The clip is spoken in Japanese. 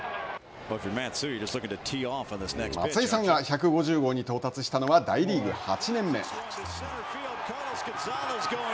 松井さんが１５０号に到達したのは大リーグ８年目。